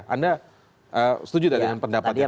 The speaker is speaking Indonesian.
anda setuju dengan pendapat yang tadi